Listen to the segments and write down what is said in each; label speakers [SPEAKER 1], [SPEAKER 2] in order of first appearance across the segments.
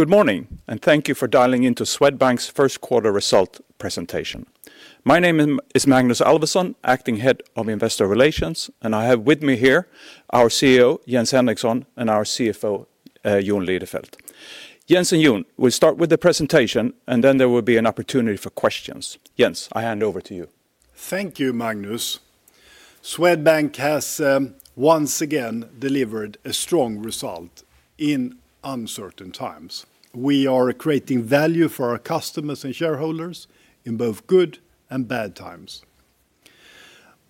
[SPEAKER 1] Good morning, and thank you for dialing into Swedbank's first quarter result presentation. My name is Magnus Alvesson, Acting Head of Investor Relations, and I have with me here our CEO, Jens Henriksson, and our CFO, Jon Lidefelt. Jens and Jon, we'll start with the presentation, and then there will be an opportunity for questions. Jens, I hand over to you.
[SPEAKER 2] Thank you, Magnus. Swedbank has once again delivered a strong result in uncertain times. We are creating value for our customers and shareholders in both good and bad times.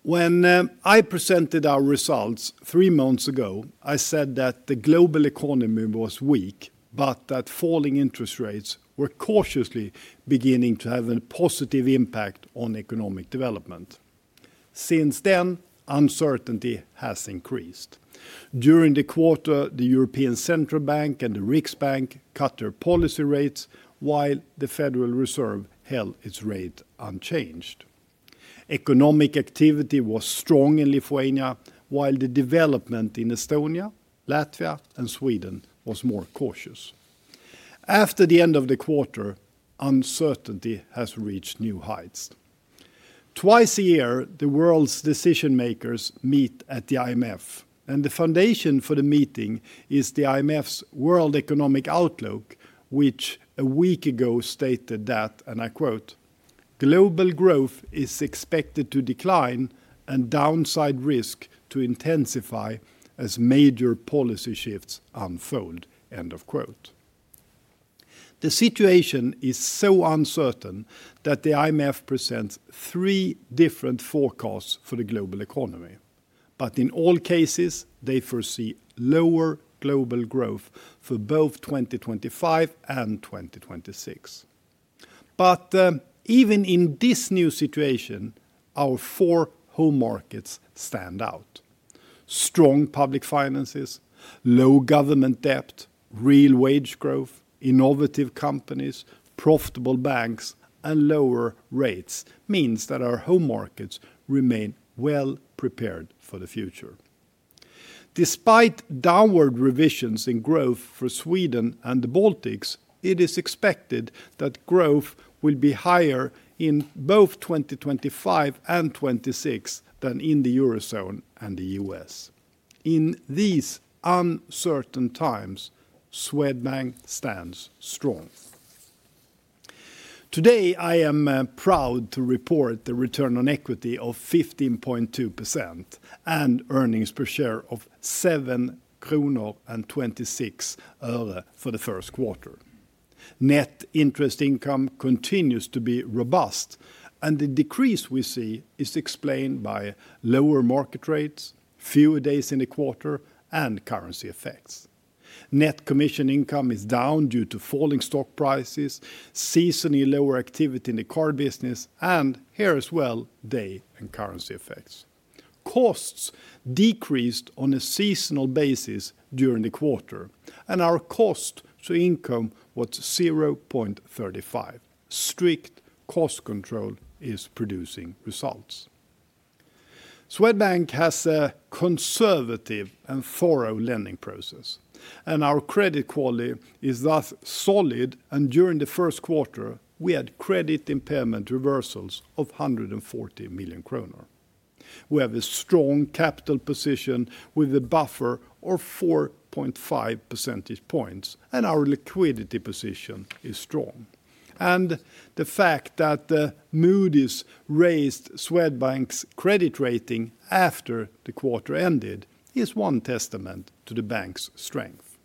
[SPEAKER 2] When I presented our results three months ago, I said that the global economy was weak, but that falling interest rates were cautiously beginning to have a positive impact on economic development. Since then, uncertainty has increased. During the quarter, the European Central Bank and the Riksbank cut their policy rates, while the Federal Reserve held its rate unchanged. Economic activity was strong in Lithuania, while the development in Estonia, Latvia, and Sweden was more cautious. After the end of the quarter, uncertainty has reached new heights. Twice a year, the world's decision-makers meet at the IMF, and the foundation for the meeting is the IMF's World Economic Outlook, which a week ago stated that, and I quote, "Global growth is expected to decline and downside risk to intensify as major policy shifts unfold." End of quote. The situation is so uncertain that the IMF presents three different forecasts for the global economy, but in all cases, they foresee lower global growth for both 2025 and 2026. Even in this new situation, our four home markets stand out. Strong public finances, low government debt, real wage growth, innovative companies, profitable banks, and lower rates mean that our home markets remain well prepared for the future. Despite downward revisions in growth for Sweden and the Baltics, it is expected that growth will be higher in both 2025 and 2026 than in the Eurozone and the U.S. In these uncertain times, Swedbank stands strong. Today, I am proud to report the return on equity of 15.2% and earnings per share of 7.26 kronor for the first quarter. Net interest income continues to be robust, and the decrease we see is explained by lower market rates, fewer days in the quarter, and currency effects. Net commission income is down due to falling stock prices, seasonally lower activity in the card business, and here as well, day and currency effects. Costs decreased on a seasonal basis during the quarter, and our cost to income was 0.35. Strict cost control is producing results. Swedbank has a conservative and thorough lending process, and our credit quality is thus solid, and during the first quarter, we had credit impairment reversals of 140 million kronor. We have a strong capital position with a buffer of 4.5 percentage points, and our liquidity position is strong. The fact that Moody's raised Swedbank's credit rating after the quarter ended is one testament to the bank's strength.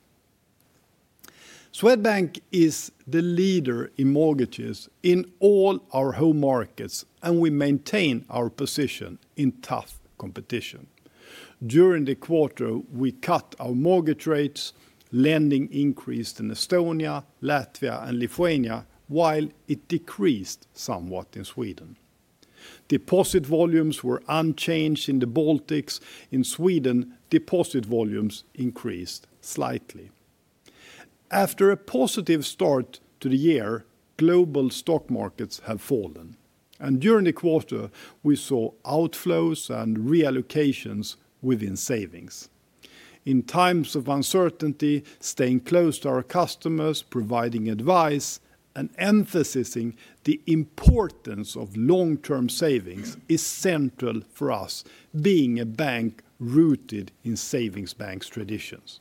[SPEAKER 2] Swedbank is the leader in mortgages in all our home markets, and we maintain our position in tough competition. During the quarter, we cut our mortgage rates. Lending increased in Estonia, Latvia, and Lithuania, while it decreased somewhat in Sweden. Deposit volumes were unchanged in the Baltics. In Sweden, deposit volumes increased slightly. After a positive start to the year, global stock markets have fallen, and during the quarter, we saw outflows and reallocations within savings. In times of uncertainty, staying close to our customers, providing advice, and emphasizing the importance of long-term savings is central for us, being a bank rooted in savings bank traditions.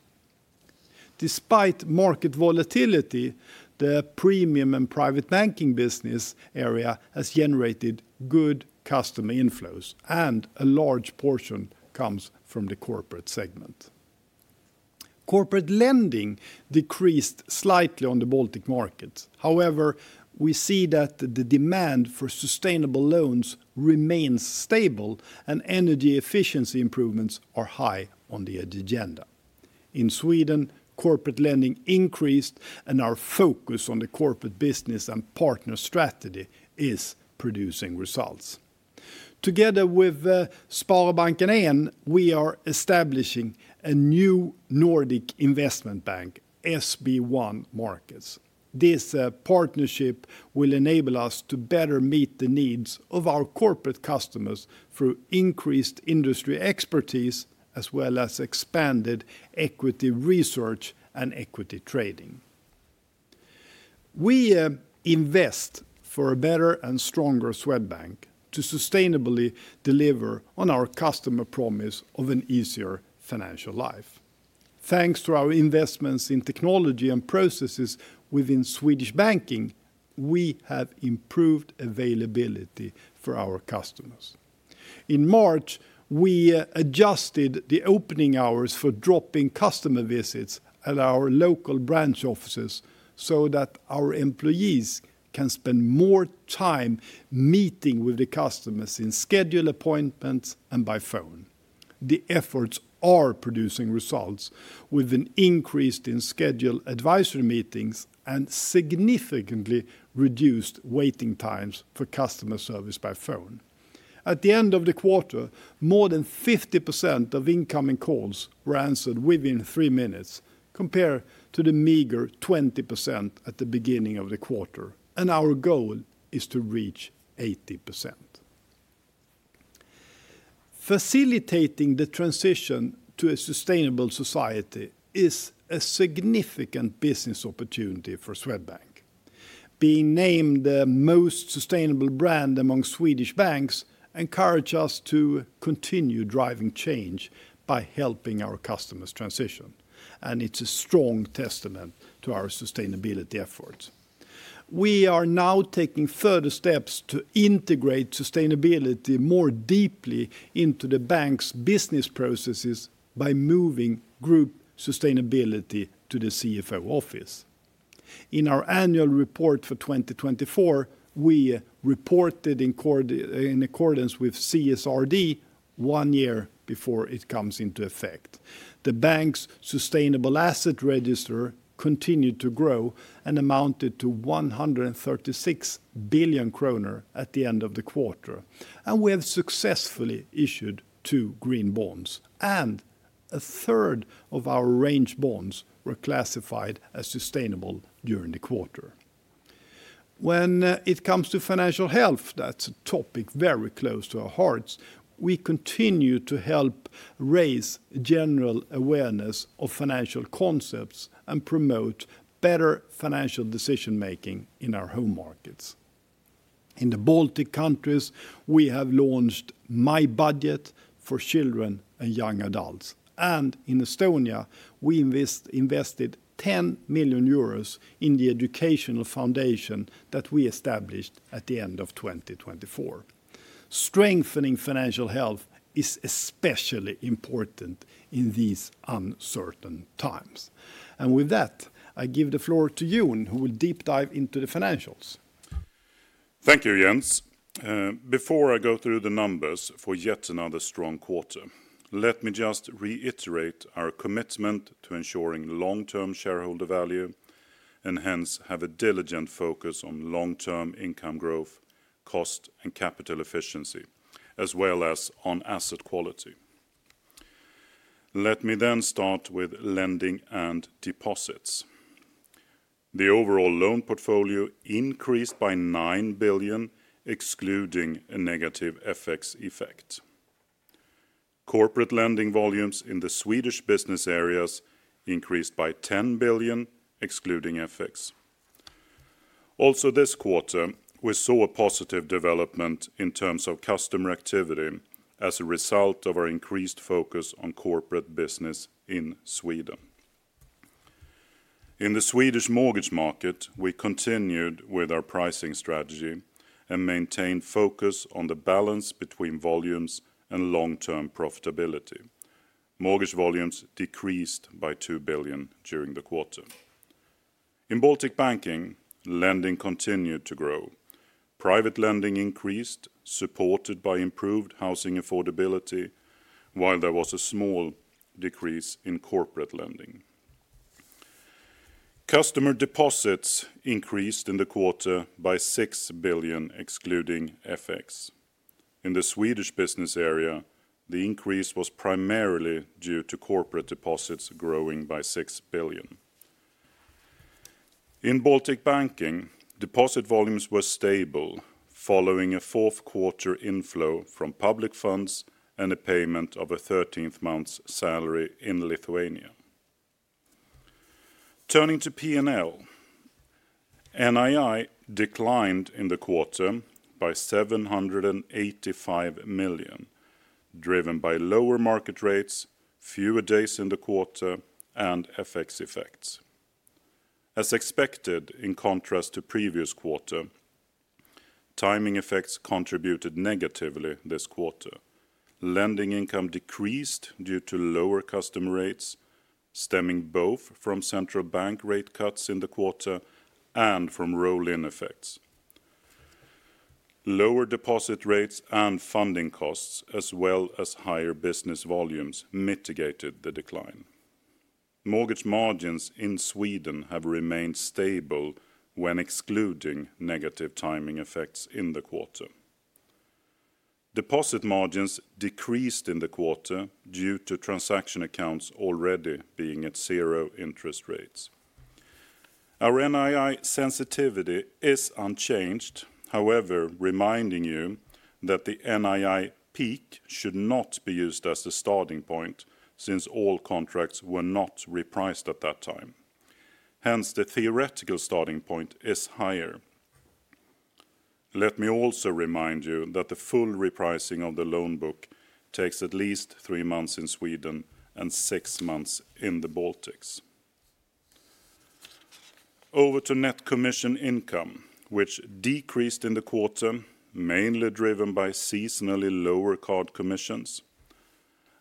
[SPEAKER 2] Despite market volatility, the Premium and Private Banking business area has generated good customer inflows, and a large portion comes from the corporate segment. Corporate lending decreased slightly on the Baltic markets. However, we see that the demand for sustainable loans remains stable, and energy efficiency improvements are high on the agenda. In Sweden, corporate lending increased, and our focus on the corporate business and partner strategy is producing results. Together with SpareBank 1, we are establishing a new Nordic investment bank, SB1 Markets. This partnership will enable us to better meet the needs of our corporate customers through increased industry expertise, as well as expanded equity research and equity trading. We invest for a better and stronger Swedbank to sustainably deliver on our customer promise of an easier financial life. Thanks to our investments in technology and processes within Swedish Banking, we have improved availability for our customers. In March, we adjusted the opening hours for dropping customer visits at our local branch offices so that our employees can spend more time meeting with the customers in scheduled appointments and by phone. The efforts are producing results with an increase in scheduled advisory meetings and significantly reduced waiting times for customer service by phone. At the end of the quarter, more than 50% of incoming calls were answered within three minutes, compared to the meager 20% at the beginning of the quarter, and our goal is to reach 80%. Facilitating the transition to a sustainable society is a significant business opportunity for Swedbank. Being named the most sustainable brand among Swedish banks encourages us to continue driving change by helping our customers transition, and it's a strong testament to our sustainability efforts. We are now taking further steps to integrate sustainability more deeply into the bank's business processes by moving Group Sustainability to the CFO office. In our annual report for 2024, we reported in accordance with CSRD one year before it comes into effect. The bank's sustainable asset register continued to grow and amounted to 136 billion kronor at the end of the quarter, and we have successfully issued two green bonds, and a third of our arranged bonds were classified as sustainable during the quarter. When it comes to financial health, that's a topic very close to our hearts. We continue to help raise general awareness of financial concepts and promote better financial decision-making in our home markets. In the Baltic countries, we have launched My Budget for children and young adults, and in Estonia, we invested 10 million euros in the educational foundation that we established at the end of 2024. Strengthening financial health is especially important in these uncertain times. With that, I give the floor to Jon, who will deep dive into the financials.
[SPEAKER 3] Thank you, Jens. Before I go through the numbers for yet another strong quarter, let me just reiterate our commitment to ensuring long-term shareholder value and hence have a diligent focus on long-term income growth, cost and capital efficiency, as well as on asset quality. Let me then start with lending and deposits. The overall loan portfolio increased by 9 billion, excluding a negative FX effect. Corporate lending volumes in the Swedish business areas increased by 10 billion, excluding FX. Also, this quarter, we saw a positive development in terms of customer activity as a result of our increased focus on corporate business in Sweden. In the Swedish mortgage market, we continued with our pricing strategy and maintained focus on the balance between volumes and long-term profitability. Mortgage volumes decreased by 2 billion during the quarter. In Baltic Banking, lending continued to grow. Private lending increased, supported by improved housing affordability, while there was a small decrease in corporate lending. Customer deposits increased in the quarter by 6 billion, excluding FX. In the Swedish business area, the increase was primarily due to corporate deposits growing by 6 billion. In Baltic Banking, deposit volumes were stable following a fourth quarter inflow from public funds and a payment of a 13th month's salary in Lithuania. Turning to P&L, NII declined in the quarter by 785 million, driven by lower market rates, fewer days in the quarter, and FX effects. As expected in contrast to previous quarter, timing effects contributed negatively this quarter. Lending income decreased due to lower customer rates, stemming both from central bank rate cuts in the quarter and from roll-in effects. Lower deposit rates and funding costs, as well as higher business volumes, mitigated the decline. Mortgage margins in Sweden have remained stable when excluding negative timing effects in the quarter. Deposit margins decreased in the quarter due to transaction accounts already being at zero interest rates. Our NII sensitivity is unchanged, however, reminding you that the NII peak should not be used as the starting point since all contracts were not repriced at that time. Hence, the theoretical starting point is higher. Let me also remind you that the full repricing of the loan book takes at least three months in Sweden and six months in the Baltics. Over to net commission income, which decreased in the quarter, mainly driven by seasonally lower card commissions.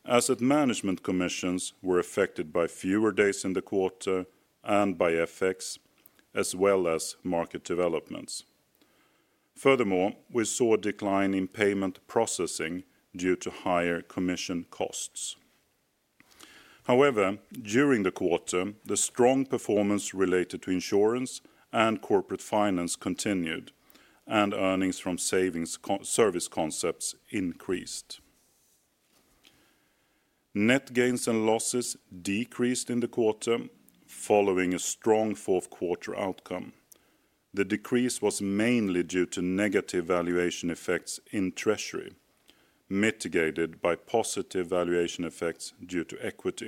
[SPEAKER 3] Asset management commissions were affected by fewer days in the quarter and by FX, as well as market developments. Furthermore, we saw a decline in payment processing due to higher commission costs. However, during the quarter, the strong performance related to insurance and corporate finance continued, and earnings from savings service concepts increased. Net gains and losses decreased in the quarter following a strong fourth quarter outcome. The decrease was mainly due to negative valuation effects in treasury, mitigated by positive valuation effects due to equity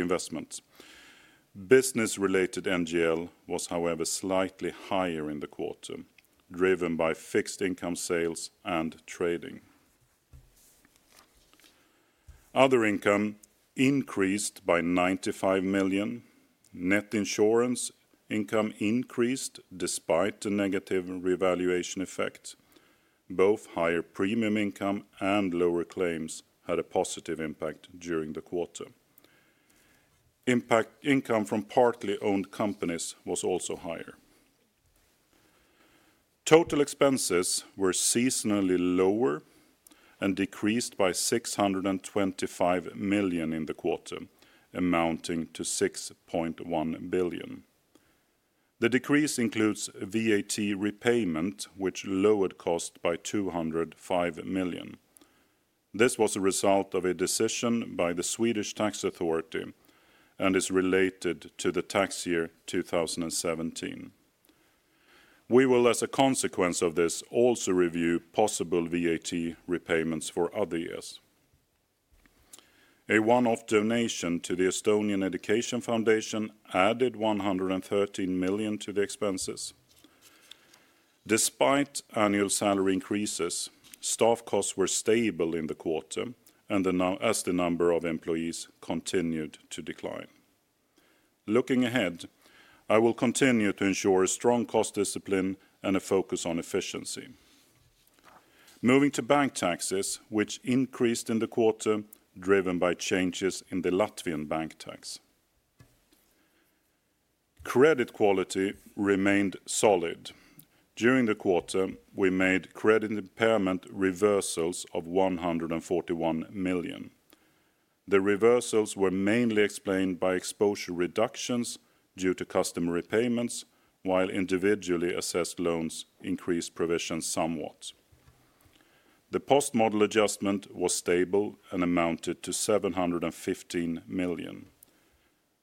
[SPEAKER 3] investments. Business-related NGL was, however, slightly higher in the quarter, driven by fixed income sales and trading. Other income increased by 95 million. Net insurance income increased despite the negative revaluation effect. Both higher premium income and lower claims had a positive impact during the quarter. Income from partly owned companies was also higher. Total expenses were seasonally lower and decreased by 625 million in the quarter, amounting to 6.1 billion. The decrease includes VAT repayment, which lowered costs by 205 million. This was a result of a decision by the Swedish tax authority and is related to the tax year 2017. We will, as a consequence of this, also review possible VAT repayments for other years. A one-off donation to the Estonian Education Foundation added 113 million to the expenses. Despite annual salary increases, staff costs were stable in the quarter, and as the number of employees continued to decline. Looking ahead, I will continue to ensure a strong cost discipline and a focus on efficiency. Moving to bank taxes, which increased in the quarter, driven by changes in the Latvian bank tax. Credit quality remained solid. During the quarter, we made credit impairment reversals of 141 million. The reversals were mainly explained by exposure reductions due to customer repayments, while individually assessed loans increased provision somewhat. The post-model adjustment was stable and amounted to 715 million.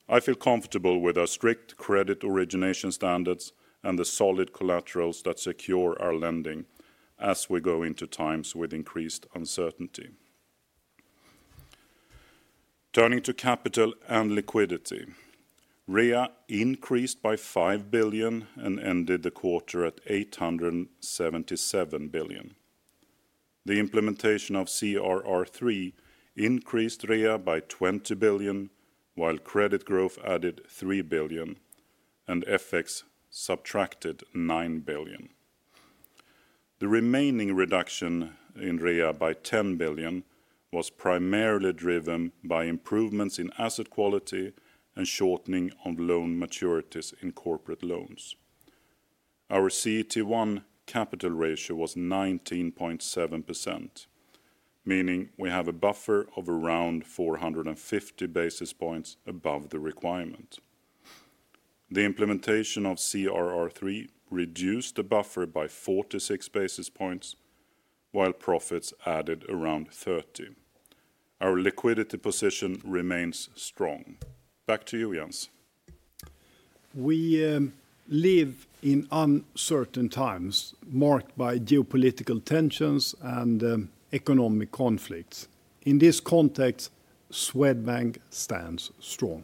[SPEAKER 3] I feel comfortable with our strict credit origination standards and the solid collaterals that secure our lending as we go into times with increased uncertainty. Turning to capital and liquidity, REA increased by 5 billion and ended the quarter at 877 billion. The implementation of CRR3 increased REA by 20 billion, while credit growth added 3 billion and FX subtracted 9 billion. The remaining reduction in REA by 10 billion was primarily driven by improvements in asset quality and shortening of loan maturities in corporate loans. Our CET1 capital ratio was 19.7%, meaning we have a buffer of around 450 basis points above the requirement. The implementation of CRR3 reduced the buffer by 46 basis points, while profits added around 30. Our liquidity position remains strong. Back to you, Jens.
[SPEAKER 2] We live in uncertain times marked by geopolitical tensions and economic conflicts. In this context, Swedbank stands strong.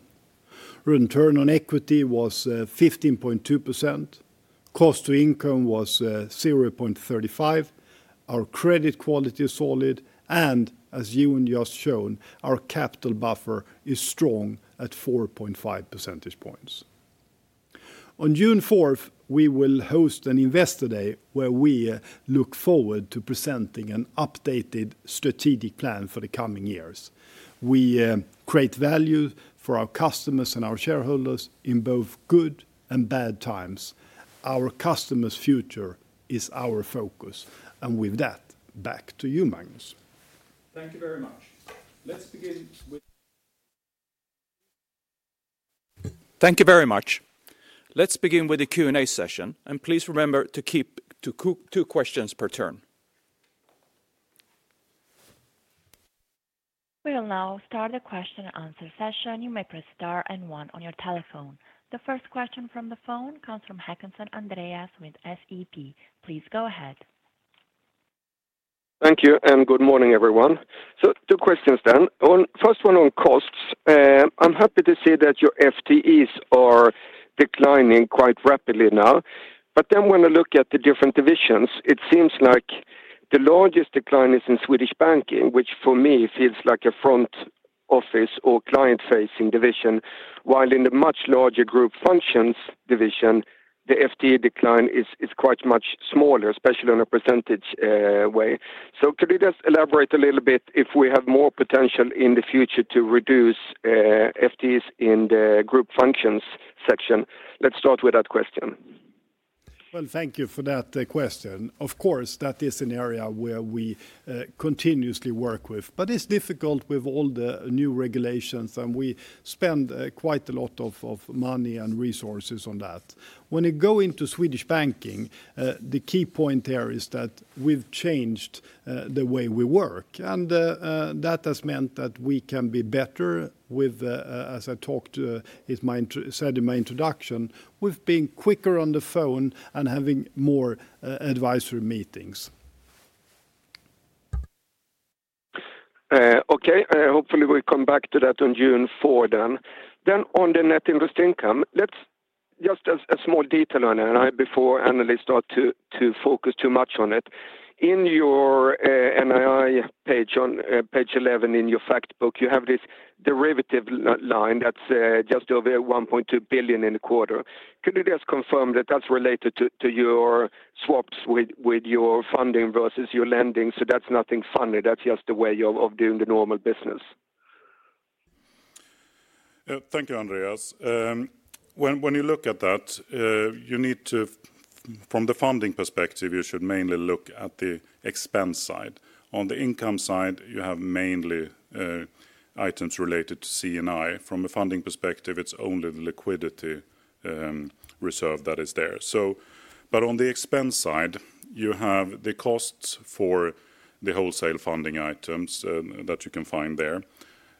[SPEAKER 2] Return on equity was 15.2%, cost to income was 0.35%, our credit quality is solid, and as you just shown, our capital buffer is strong at 4.5 percentage points. On June 4th, we will host an Investor Day where we look forward to presenting an updated strategic plan for the coming years. We create value for our customers and our shareholders in both good and bad times. Our customer's future is our focus. With that, back to you, Magnus.
[SPEAKER 1] Thank you very much. Let's begin with. Thank you very much. Let's begin with the Q&A session, and please remember to keep to two questions per turn.
[SPEAKER 4] We will now start the question and answer session. You may press star and one on your telephone. The first question from the phone comes from Andreas Håkansson with SEB. Please go ahead.
[SPEAKER 5] Thank you and good morning, everyone. Two questions then. First one on costs. I'm happy to see that your FTEs are declining quite rapidly now. When I look at the different divisions, it seems like the largest decline is in Swedish Banking, which for me feels like a front office or client-facing division, while in the much larger Group Functions division, the FTE decline is quite much smaller, especially on a percentage way. Could you just elaborate a little bit if we have more potential in the future to reduce FTEs in the Group Functions section? Let's start with that question.
[SPEAKER 2] Thank you for that question. Of course, that is an area where we continuously work with, but it's difficult with all the new regulations, and we spend quite a lot of money and resources on that. When you go into Swedish Banking, the key point there is that we've changed the way we work, and that has meant that we can be better with, as I talked to, as I said in my introduction, we've been quicker on the phone and having more advisory meetings.
[SPEAKER 5] Okay, hopefully we come back to that on June 4 then. On the net interest income, let's just a small detail on NII before Anjali starts to focus too much on it. In your NII page on page 11 in your fact book, you have this derivative line that's just over 1.2 billion in the quarter. Could you just confirm that that's related to your swaps with your funding versus your lending? That's nothing funny. That's just the way of doing the normal business.
[SPEAKER 3] Thank you, Andreas. When you look at that, you need to, from the funding perspective, you should mainly look at the expense side. On the income side, you have mainly items related to LC&I. From a funding perspective, it's only the liquidity reserve that is there. On the expense side, you have the costs for the wholesale funding items that you can find there,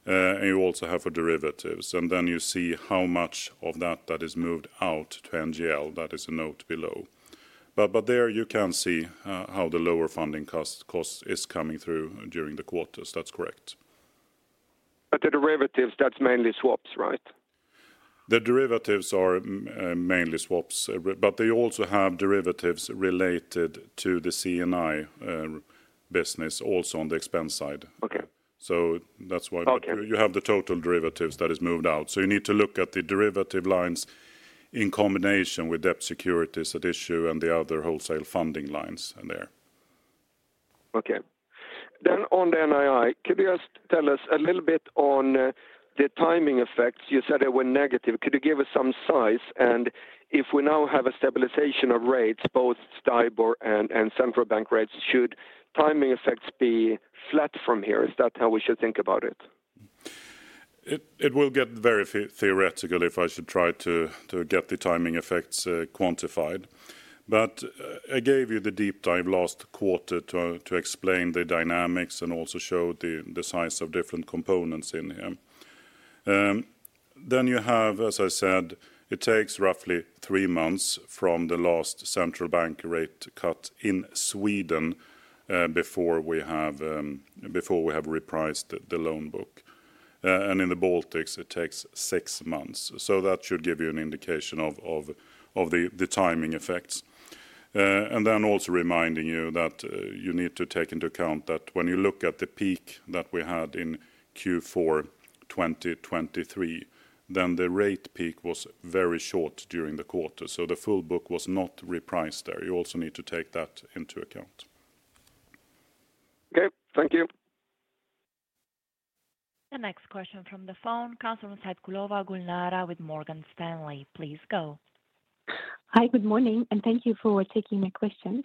[SPEAKER 3] and you also have for derivatives. Then you see how much of that is moved out to NGL. That is a note below. There you can see how the lower funding cost is coming through during the quarters. That's correct.
[SPEAKER 5] The derivatives, that's mainly swaps, right?
[SPEAKER 3] The derivatives are mainly swaps, but they also have derivatives related to the LC&I business also on the expense side. That is why you have the total derivatives that is moved out. You need to look at the derivative lines in combination with debt securities at issue and the other wholesale funding lines there.
[SPEAKER 5] Okay. On the NII, could you just tell us a little bit on the timing effects? You said they were negative. Could you give us some size? If we now have a stabilization of rates, both Stibor and central bank rates, should timing effects be flat from here? Is that how we should think about it?
[SPEAKER 3] It will get very theoretical if I should try to get the timing effects quantified. I gave you the deep dive last quarter to explain the dynamics and also show the size of different components in here. You have, as I said, it takes roughly three months from the last Central Bank rate cut in Sweden before we have repriced the loan book. In the Baltics, it takes six months. That should give you an indication of the timing effects. Also reminding you that you need to take into account that when you look at the peak that we had in Q4 2023, the rate peak was very short during the quarter. The full book was not repriced there. You also need to take that into account.
[SPEAKER 5] Okay, thank you.
[SPEAKER 4] The next question from the phone, Gulnara Saitkulova with Morgan Stanley. Please go.
[SPEAKER 6] Hi, good morning, and thank you for taking my questions.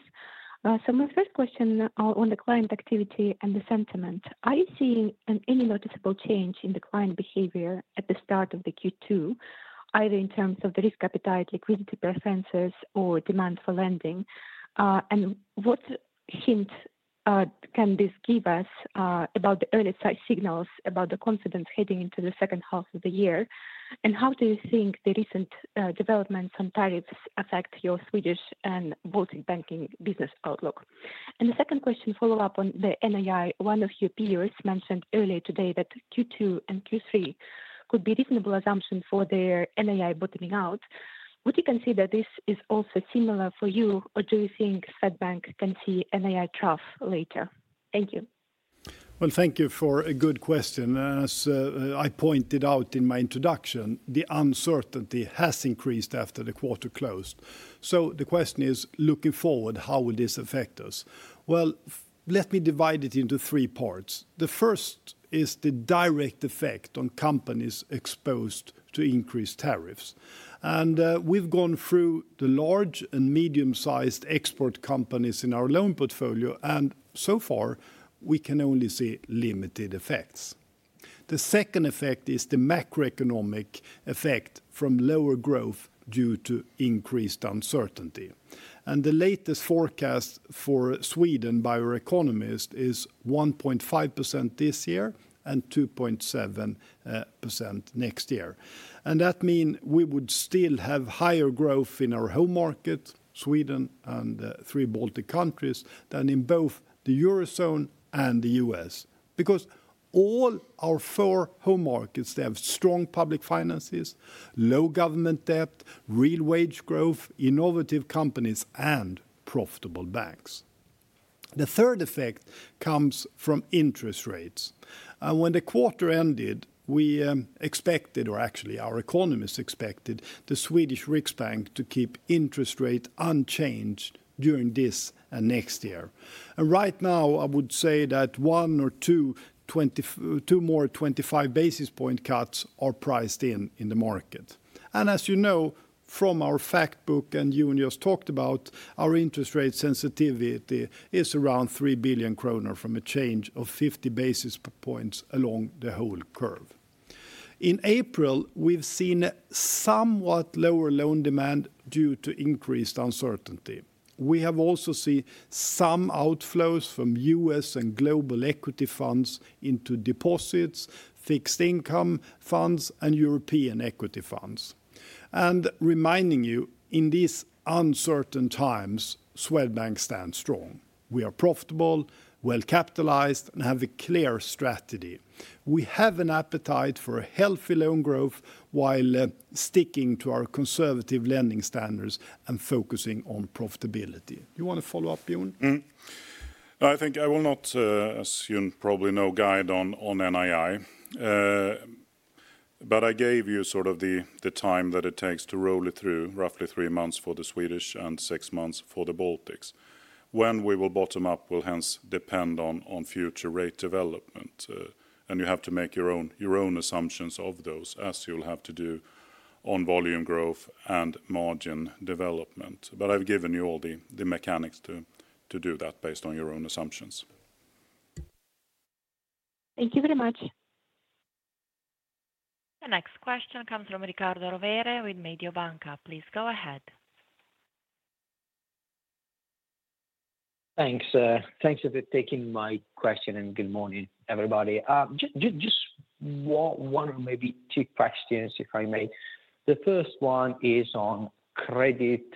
[SPEAKER 6] My first question on the client activity and the sentiment. Are you seeing any noticeable change in the client behavior at the start of Q2, either in terms of the risk appetite, liquidity preferences, or demand for lending? What hint can this give us about the early signals about the confidence heading into the second half of the year? How do you think the recent developments on tariffs affect your Swedish and Baltic banking business outlook? The second question, follow-up on the NII, one of your peers mentioned earlier today that Q2 and Q3 could be reasonable assumptions for their NII bottoming out. Would you consider this is also similar for you, or do you think Swedbank can see NII trough later? Thank you.
[SPEAKER 2] Thank you for a good question. As I pointed out in my introduction, the uncertainty has increased after the quarter closed. The question is, looking forward, how will this affect us? Let me divide it into three parts. The first is the direct effect on companies exposed to increased tariffs. We have gone through the large and medium-sized export companies in our loan portfolio, and so far, we can only see limited effects. The second effect is the macroeconomic effect from lower growth due to increased uncertainty. The latest forecast for Sweden by our economist is 1.5% this year and 2.7% next year. That means we would still have higher growth in our home market, Sweden and three Baltic countries, than in both the Eurozone and the U.S. Because all our four home markets have strong public finances, low government debt, real wage growth, innovative companies, and profitable banks. The third effect comes from interest rates. When the quarter ended, we expected, or actually our economists expected, the Swedish Riksbank to keep interest rates unchanged during this and next year. Right now, I would say that one or two more 25 basis point cuts are priced in in the market. As you know from our fact book, and you and yours talked about, our interest rate sensitivity is around 3 billion kronor from a change of 50 basis points along the whole curve. In April, we've seen somewhat lower loan demand due to increased uncertainty. We have also seen some outflows from U.S. and global equity funds into deposits, fixed income funds, and European equity funds. Reminding you, in these uncertain times, Swedbank stands strong. We are profitable, well capitalized, and have a clear strategy. We have an appetite for healthy loan growth while sticking to our conservative lending standards and focusing on profitability. You want to follow up, Jon?
[SPEAKER 3] I think I will not assume probably no guide on NII, but I gave you sort of the time that it takes to roll it through, roughly three months for the Swedish and six months for the Baltics. When we will bottom up will hence depend on future rate development, and you have to make your own assumptions of those, as you'll have to do on volume growth and margin development. I have given you all the mechanics to do that based on your own assumptions.
[SPEAKER 6] Thank you very much.
[SPEAKER 4] The next question comes from Riccardo Rovere with Mediobanca. Please go ahead.
[SPEAKER 7] Thanks. Thanks for taking my question, and good morning, everybody. Just one or maybe two questions, if I may. The first one is on credit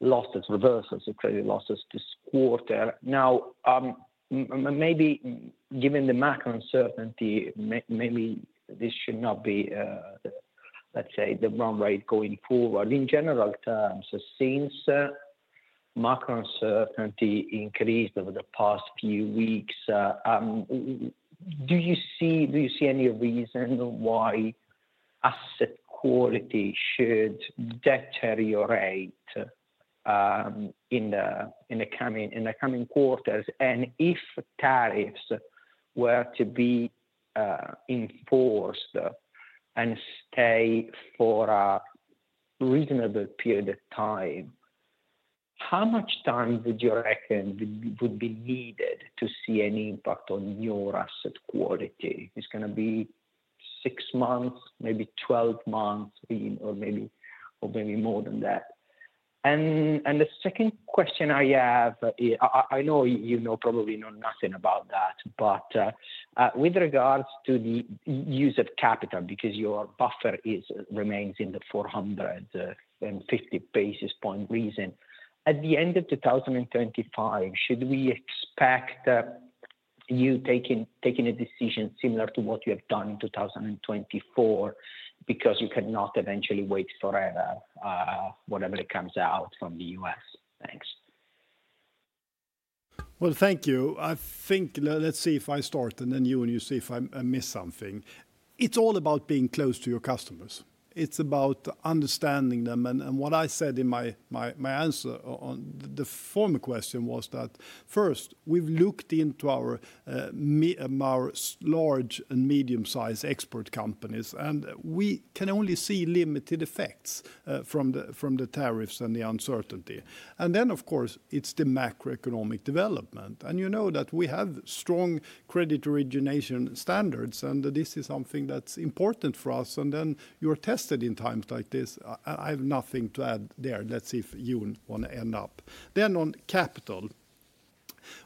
[SPEAKER 7] losses, reversals of credit losses this quarter. Now, maybe given the macro uncertainty, maybe this should not be, let's say, the run rate going forward. In general terms, since macro uncertainty increased over the past few weeks, do you see any reason why asset quality should deteriorate in the coming quarters? If tariffs were to be enforced and stay for a reasonable period of time, how much time would you reckon would be needed to see an impact on your asset quality? It's going to be six months, maybe 12 months, or maybe more than that. The second question I have, I know you know probably nothing about that, but with regards to the use of capital, because your buffer remains in the 450 basis point region, at the end of 2025, should we expect you taking a decision similar to what you have done in 2024, because you cannot eventually wait forever, whatever it comes out from the U.S.? Thanks.
[SPEAKER 2] Thank you. I think let's see if I start, and then you see if I miss something. It's all about being close to your customers. It's about understanding them. What I said in my answer on the former question was that first, we've looked into our large and medium-sized export companies, and we can only see limited effects from the tariffs and the uncertainty. Of course, it's the macroeconomic development. You know that we have strong credit origination standards, and this is something that's important for us. You are tested in times like this. I have nothing to add there. Let's see if you want to end up. On capital.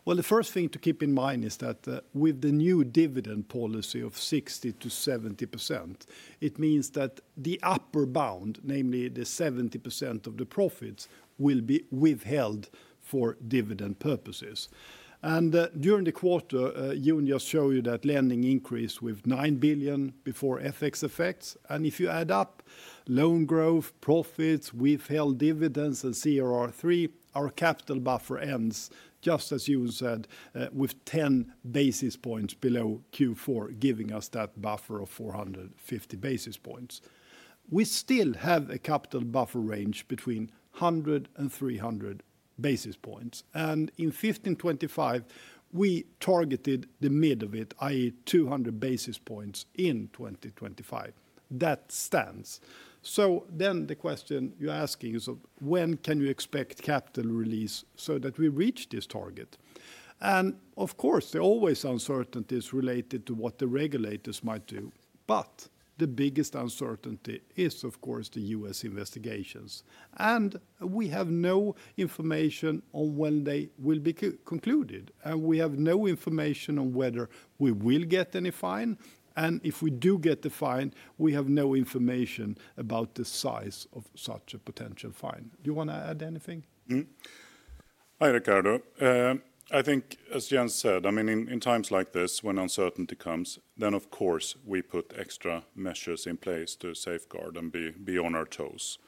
[SPEAKER 2] The first thing to keep in mind is that with the new dividend policy of 60-70%, it means that the upper bound, namely the 70% of the profits, will be withheld for dividend purposes. During the quarter, Jon just showed you that lending increased with 9 billion before FX effects. If you add up loan growth, profits, withheld dividends, and CRR3, our capital buffer ends, just as you said, with 10 basis points below Q4, giving us that buffer of 450 basis points. We still have a capital buffer range between 100 and 300 basis points. In 2025, we targeted the mid of it, i.e., 200 basis points in 2025. That stands. The question you're asking is, when can you expect capital release so that we reach this target? Of course, there are always uncertainties related to what the regulators might do. The biggest uncertainty is, of course, the U.S. investigations. We have no information on when they will be concluded. We have no information on whether we will get any fine. If we do get the fine, we have no information about the size of such a potential fine. Do you want to add anything?
[SPEAKER 3] Hi, Ricardo. I think, as Jan said, I mean, in times like this, when uncertainty comes, of course, we put extra measures in place to safeguard and be on our toes,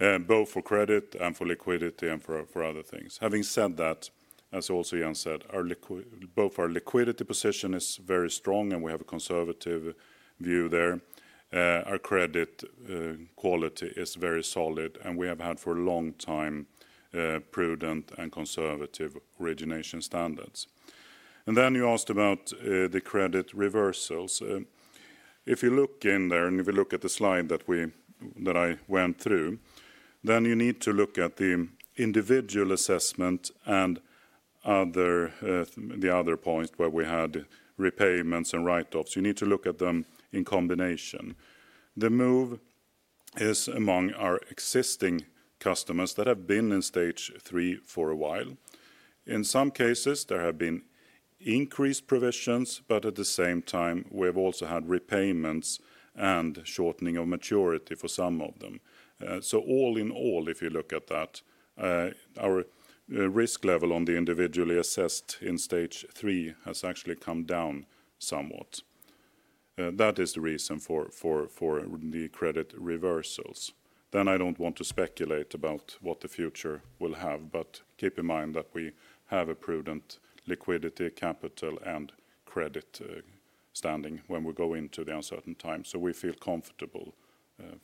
[SPEAKER 3] both for credit and for liquidity and for other things. Having said that, as also Jan said, both our liquidity position is very strong, and we have a conservative view there. Our credit quality is very solid, and we have had for a long time prudent and conservative origination standards. You asked about the credit reversals. If you look in there, and if you look at the slide that I went through, you need to look at the individual assessment and the other points where we had repayments and write-offs. You need to look at them in combination. The move is among our existing customers that have been in stage three for a while. In some cases, there have been increased provisions, but at the same time, we have also had repayments and shortening of maturity for some of them. All in all, if you look at that, our risk level on the individually assessed in stage three has actually come down somewhat. That is the reason for the credit reversals. I do not want to speculate about what the future will have, but keep in mind that we have a prudent liquidity, capital, and credit standing when we go into the uncertain times. We feel comfortable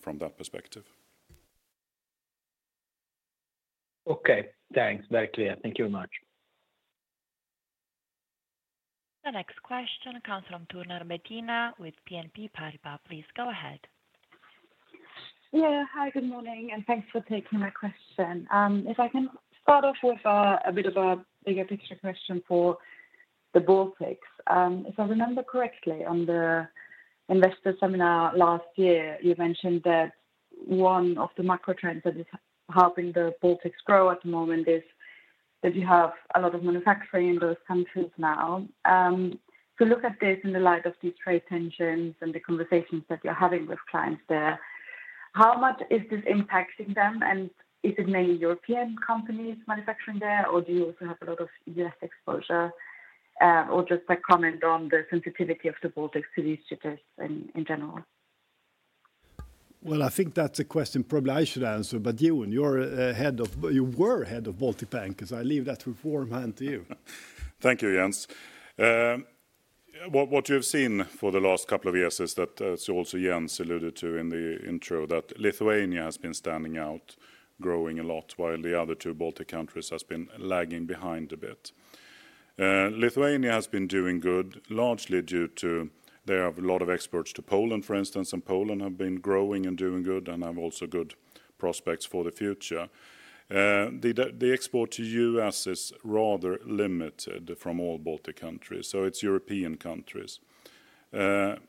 [SPEAKER 3] from that perspective.
[SPEAKER 7] Okay, thanks. Very clear. Thank you very much.
[SPEAKER 4] The next question comes from Bettina Thurner with BNP Paribas. Please go ahead.
[SPEAKER 8] Yeah, hi, good morning, and thanks for taking my question. If I can start off with a bit of a bigger picture question for the Baltics. If I remember correctly, on the investor seminar last year, you mentioned that one of the macro trends that is helping the Baltics grow at the moment is that you have a lot of manufacturing in those countries now. To look at this in the light of these trade tensions and the conversations that you're having with clients there, how much is this impacting them? Is it mainly European companies manufacturing there, or do you also have a lot of US exposure? Just a comment on the sensitivity of the Baltics to these jitter in general?
[SPEAKER 2] I think that's a question probably I should answer, but Jon, you were head of Baltic Bank, so I leave that reform hand to you.
[SPEAKER 3] Thank you, Jens. What you have seen for the last couple of years is that, as also Jens alluded to in the intro, Lithuania has been standing out, growing a lot, while the other two Baltic countries have been lagging behind a bit. Lithuania has been doing good, largely due to they have a lot of exports to Poland, for instance, and Poland have been growing and doing good, and have also good prospects for the future. The export to U.S. is rather limited from all Baltic countries, so it is European countries. When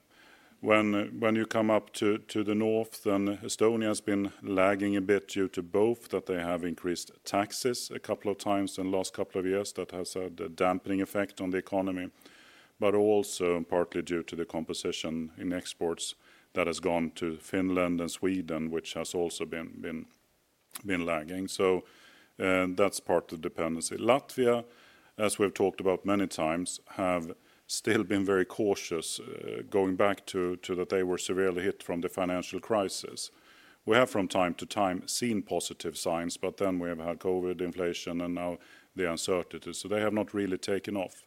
[SPEAKER 3] you come up to the north, Estonia has been lagging a bit due to both that they have increased taxes a couple of times in the last couple of years. That has had a dampening effect on the economy, but also partly due to the composition in exports that has gone to Finland and Sweden, which has also been lagging. That is part of the dependency. Latvia, as we've talked about many times, have still been very cautious, going back to that they were severely hit from the financial crisis. We have from time to time seen positive signs, but then we have had COVID, inflation, and now the uncertainty. They have not really taken off.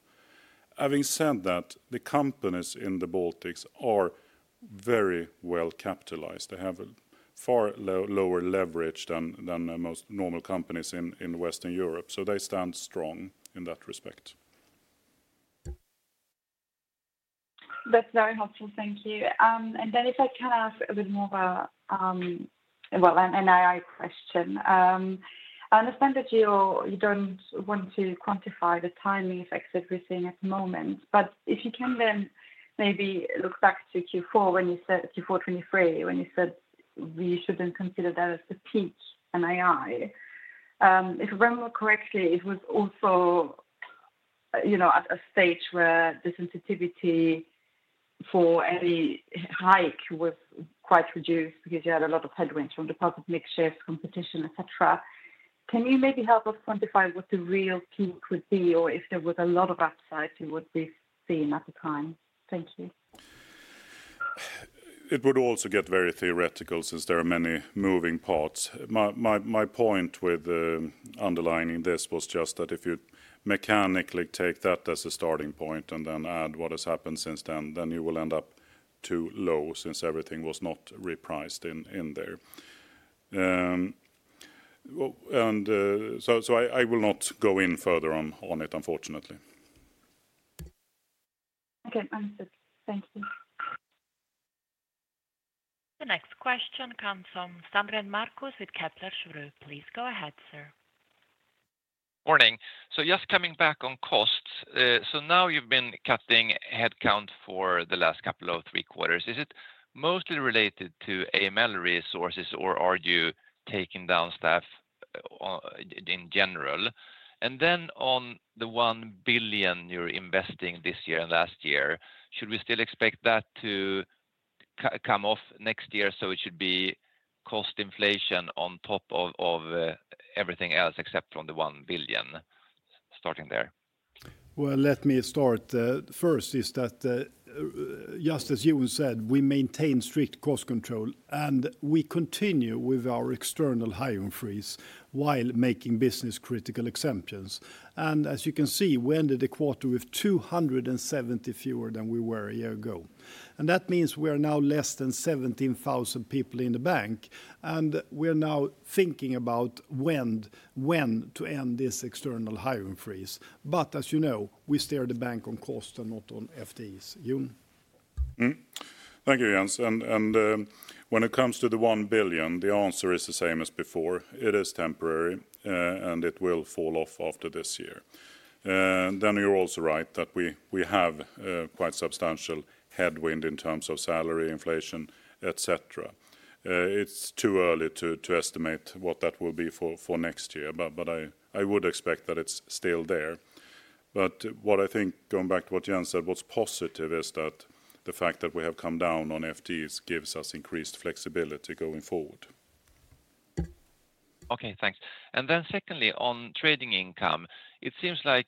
[SPEAKER 3] Having said that, the companies in the Baltics are very well capitalized. They have a far lower leverage than most normal companies in Western Europe. They stand strong in that respect.
[SPEAKER 8] That's very helpful. Thank you. If I can ask a bit more of an NII question. I understand that you don't want to quantify the timing effects that we're seeing at the moment, but if you can then maybe look back to Q4 2023, when you said we shouldn't consider that as the peak NII, if I remember correctly, it was also at a stage where the sensitivity for any hike was quite reduced because you had a lot of headwinds from the public mix shifts, competition, etc. Can you maybe help us quantify what the real peak would be, or if there was a lot of upside that would be seen at the time? Thank you.
[SPEAKER 3] It would also get very theoretical since there are many moving parts. My point with underlining this was just that if you mechanically take that as a starting point and then add what has happened since then, you will end up too low since everything was not repriced in there. I will not go in further on it, unfortunately.
[SPEAKER 8] Okay, I understood. Thank you.
[SPEAKER 4] The next question comes from Markus Sandgren with Kepler Cheuvreux. Please go ahead, sir.
[SPEAKER 9] Morning. Just coming back on costs. Now you've been cutting headcount for the last couple of three quarters. Is it mostly related to AML resources, or are you taking down staff in general? On the 1 billion you're investing this year and last year, should we still expect that to come off next year? It should be cost inflation on top of everything else except from the 1 billion starting there.
[SPEAKER 2] Let me start. First is that, just as Jon said, we maintain strict cost control, and we continue with our external hiring freeze while making business-critical exemptions. As you can see, we ended the quarter with 270 fewer than we were a year ago. That means we are now less than 17,000 people in the bank, and we are now thinking about when to end this external hiring freeze. As you know, we steer the bank on cost and not on FTEs. Jon?
[SPEAKER 3] Thank you, Jens. When it comes to the 1 billion, the answer is the same as before. It is temporary, and it will fall off after this year. You are also right that we have quite substantial headwind in terms of salary inflation, etc. It is too early to estimate what that will be for next year, but I would expect that it is still there. What I think, going back to what Jan said, what is positive is that the fact that we have come down on FTEs gives us increased flexibility going forward.
[SPEAKER 9] Okay, thanks. Secondly, on trading income, it seems like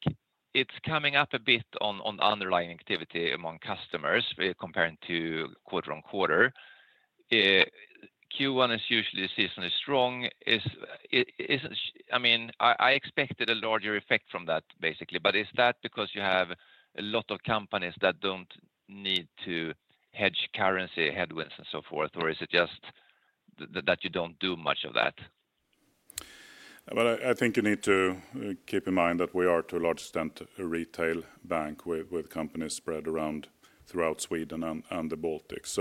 [SPEAKER 9] it's coming up a bit on the underlying activity among customers compared to quarter on quarter. Q1 is usually seasonally strong. I mean, I expected a larger effect from that, basically, but is that because you have a lot of companies that don't need to hedge currency headwinds and so forth, or is it just that you don't do much of that?
[SPEAKER 3] I think you need to keep in mind that we are to a large extent a retail bank with companies spread around throughout Sweden and the Baltics.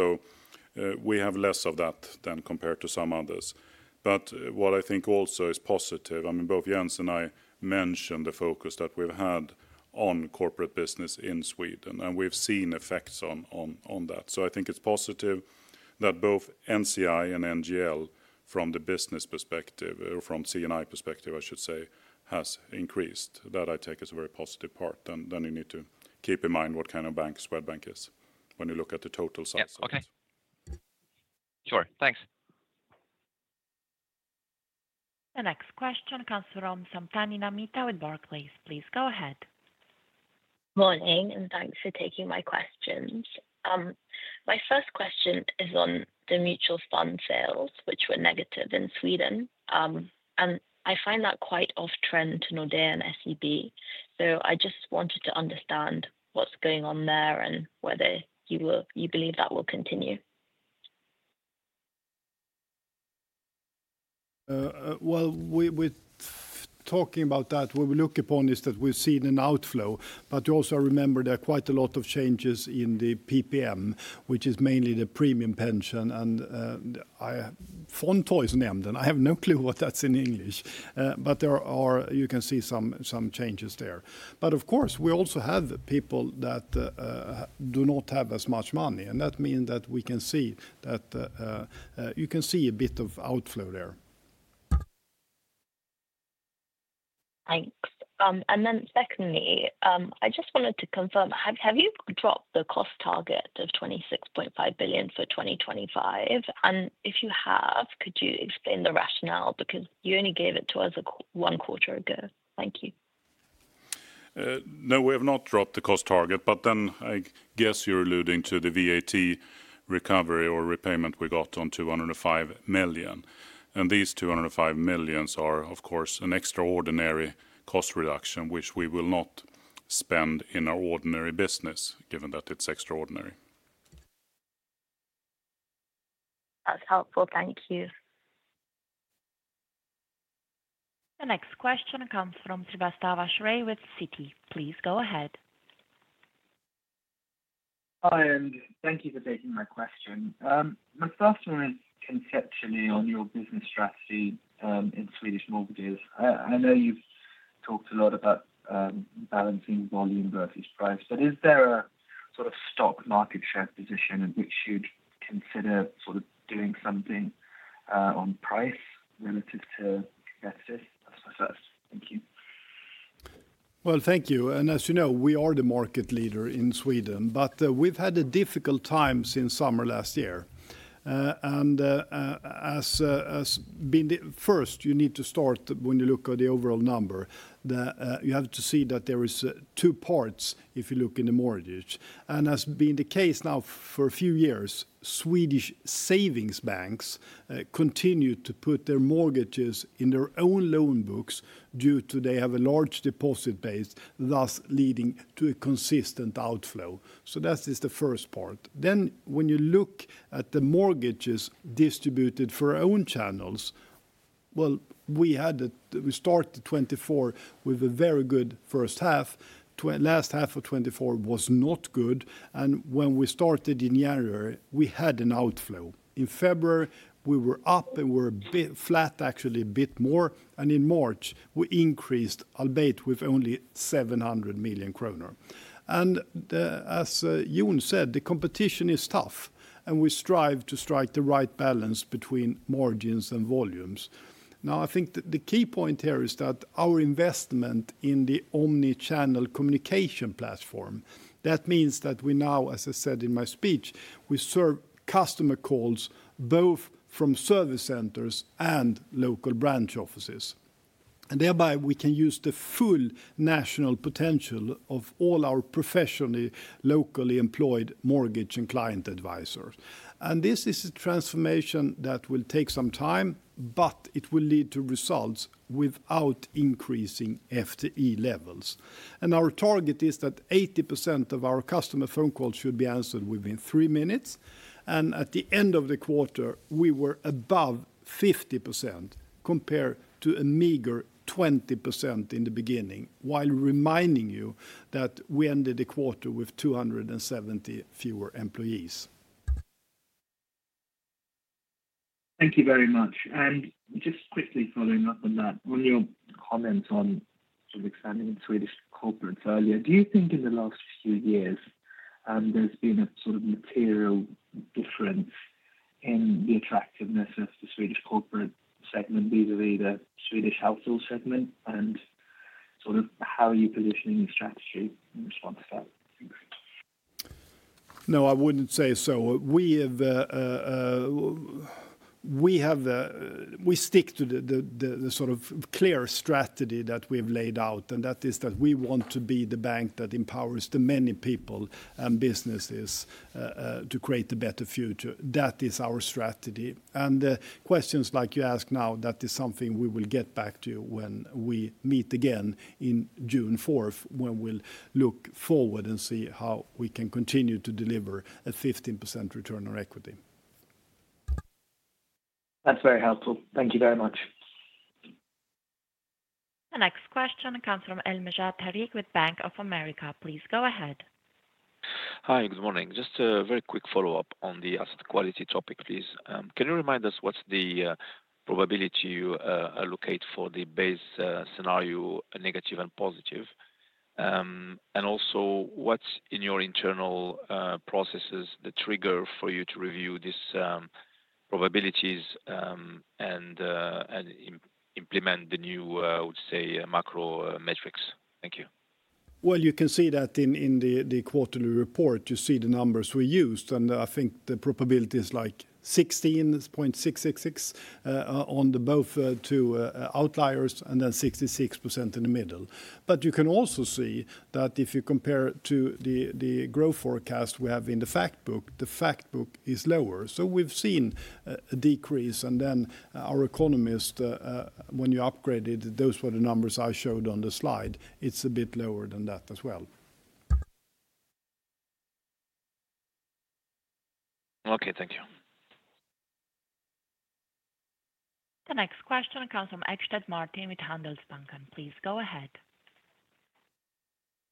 [SPEAKER 3] We have less of that than compared to some others. What I think also is positive, I mean, both Jens and I mentioned the focus that we've had on corporate business in Sweden, and we've seen effects on that. I think it's positive that both NCI and NGL from the business perspective, or from LC&I perspective, I should say, has increased. That I take as a very positive part. You need to keep in mind what kind of bank Swedbank is when you look at the total size.
[SPEAKER 9] Yes, okay. Sure, thanks.
[SPEAKER 4] The next question comes from Namita Samtani with Barclays. Please go ahead.
[SPEAKER 10] Morning, and thanks for taking my questions. My first question is on the mutual fund sales, which were negative in Sweden. I find that quite off-trend to Nordea and SEB. I just wanted to understand what's going on there and whether you believe that will continue.
[SPEAKER 2] What we look upon is that we've seen an outflow, but you also remember there are quite a lot of changes in the PPM, which is mainly the premium pension. And Fondtorgsnämnden, I have no clue what that's in English, but you can see some changes there. Of course, we also have people that do not have as much money, and that means that we can see that you can see a bit of outflow there.
[SPEAKER 10] Thanks. Secondly, I just wanted to confirm, have you dropped the cost target of 26.5 billion for 2025? If you have, could you explain the rationale? Because you only gave it to us one quarter ago. Thank you.
[SPEAKER 3] No, we have not dropped the cost target, but I guess you're alluding to the VAT recovery or repayment we got on 205 million. These 205 million are, of course, an extraordinary cost reduction, which we will not spend in our ordinary business, given that it's extraordinary.
[SPEAKER 10] That's helpful. Thank you.
[SPEAKER 4] The next question comes from Shrey Srivastava with Citi. Please go ahead.
[SPEAKER 11] Hi, and thank you for taking my question. My first one is conceptually on your business strategy in Swedish mortgages. I know you've talked a lot about balancing volume versus price, but is there a sort of stock market share position which you'd consider sort of doing something on price relative to competitors? That's my first question. Thank you.
[SPEAKER 2] Thank you. As you know, we are the market leader in Sweden, but we've had a difficult time since summer last year. As being the first, you need to start when you look at the overall number, that you have to see that there are two parts if you look in the mortgage. As being the case now for a few years, Swedish savings banks continue to put their mortgages in their own loan books due to they have a large deposit base, thus leading to a consistent outflow. That is the first part. When you look at the mortgages distributed for our own channels, we started 2024 with a very good first half. Last half of 2024 was not good. When we started in January, we had an outflow. In February, we were up and we were a bit flat, actually a bit more. In March, we increased albeit with only 700 million kronor. As Jon said, the competition is tough, and we strive to strike the right balance between margins and volumes. I think the key point here is that our investment in the omnichannel communication platform means that we now, as I said in my speech, serve customer calls both from service centers and local branch offices. Thereby, we can use the full national potential of all our professionally locally employed mortgage and client advisors. This is a transformation that will take some time, but it will lead to results without increasing FTE levels. Our target is that 80% of our customer phone calls should be answered within three minutes. At the end of the quarter, we were above 50% compared to a meager 20% in the beginning, while reminding you that we ended the quarter with 270 fewer employees.
[SPEAKER 11] Thank you very much. Just quickly following up on that, on your comments on sort of expanding in Swedish corporates earlier, do you think in the last few years there's been a sort of material difference in the attractiveness of the Swedish corporate segment, either the Swedish household segment, and sort of how are you positioning your strategy in response to that?
[SPEAKER 2] No, I wouldn't say so. We stick to the sort of clear strategy that we have laid out, and that is that we want to be the bank that empowers the many people and businesses to create a better future. That is our strategy. Questions like you ask now, that is something we will get back to you when we meet again on June 4, when we'll look forward and see how we can continue to deliver a 15% return on equity.
[SPEAKER 11] That's very helpful. Thank you very much.
[SPEAKER 4] The next question comes from Tarik El Mejjad with Bank of America. Please go ahead.
[SPEAKER 12] Hi, good morning. Just a very quick follow-up on the asset quality topic, please. Can you remind us what's the probability you allocate for the base scenario, negative and positive? Also, what's in your internal processes the trigger for you to review these probabilities and implement the new, I would say, macro metrics? Thank you.
[SPEAKER 2] You can see that in the quarterly report, you see the numbers we used, and I think the probability is like 16.666% on both two outliers and then 66% in the middle. You can also see that if you compare to the growth forecast we have in the fact book, the fact book is lower. We've seen a decrease, and then our economist, when you upgraded, those were the numbers I showed on the slide. It's a bit lower than that as well.
[SPEAKER 12] Okay, thank you.
[SPEAKER 4] The next question comes from Martin Ekstedt with Handelsbanken. Please go ahead.